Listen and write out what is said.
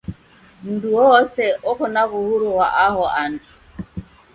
Mndu uoose oko na w'uhuru ghwa aho andu.